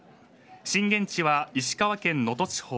震源地は石川県能登地方。